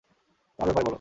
তোমার ব্যাপারে বলো?